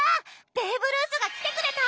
ベーブ・ルースが来てくれた！